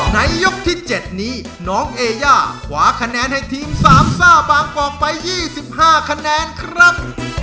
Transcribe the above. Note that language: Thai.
ในยกที่๗นี้น้องเอย่าขวาคะแนนให้ทีม๓ซ่าบางกอกไป๒๕คะแนนครับ